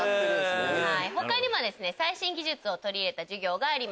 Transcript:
他にも最新技術を取り入れた授業があります。